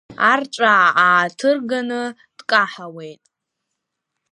Арҵәаа ааҭырганы дкаҳауеит.